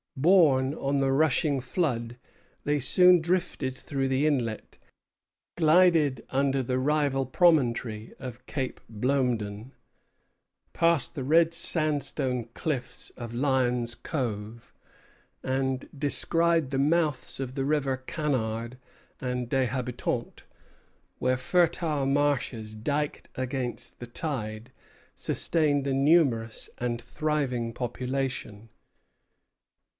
Borne on the rushing flood, they soon drifted through the inlet, glided under the rival promontory of Cape Blomedon, passed the red sandstone cliffs of Lyon's Cove, and descried the mouths of the rivers Canard and Des Habitants, where fertile marshes, diked against the tide, sustained a numerous and thriving population.